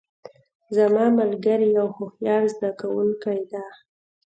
زما ملګری یو هوښیار زده کوونکی ده